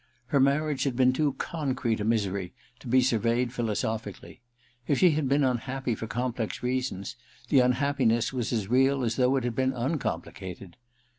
Her marriage had been too concrete a misery to be surveyed philosophically. If she had been unhappy for complex reasons, the unhappiness was as real as though it had been uncomplicated.